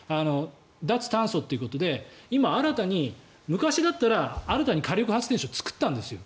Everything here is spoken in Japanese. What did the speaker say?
脱炭素ってことで今、新たに昔だったら新たに火力発電所を作ったんですよ。